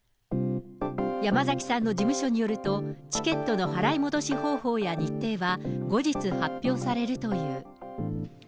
山崎さんの事務所によると、チケットの払い戻し方法や日程は後日発表されるという。